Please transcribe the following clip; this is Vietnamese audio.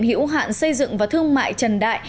hữu hạn xây dựng và thương mại trần đại